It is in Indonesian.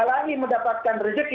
kami mendapatkan rezeki